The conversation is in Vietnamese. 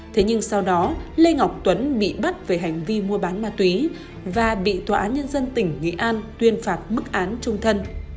thế nhưng sau đó lê ngọc tuấn bị bắt về hành vi mua bán ma túy và bị tòa án nhân dân tỉnh nghệ an tuyên phạt mức án trung thân